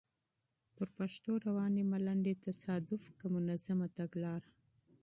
پر پښتو روانې ملنډې؛ تصادف که منظمه تګلاره؟